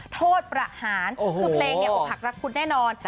โทษประหารคือเพลงเนี่ยอกหักรักคุณแน่นอน